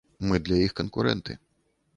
Мы для іх канкурэнты.